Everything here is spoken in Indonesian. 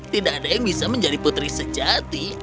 tidak ada yang bisa menjadi putri sejati